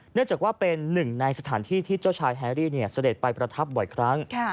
เนื่องจากว่าเป็นหนึ่งในสถานที่ที่เจ้าชายแฮรี่เสด็จไปประทับบ่อยครั้ง